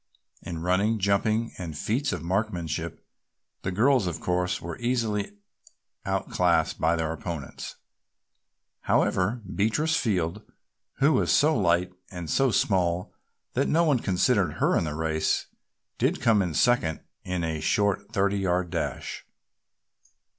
In running, jumping and feats of marksmanship the girls of course were easily outclassed by their opponents; however, Beatrice Field, who was so light and so small that no one considered her in the race, did come in second in a short thirty yard dash.